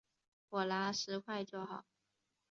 我拿十块就好